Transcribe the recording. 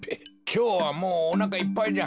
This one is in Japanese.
きょうはもうおなかいっぱいじゃ。